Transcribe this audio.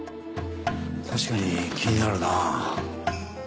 確かに気になるな。